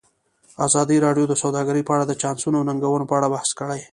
ازادي راډیو د سوداګري په اړه د چانسونو او ننګونو په اړه بحث کړی.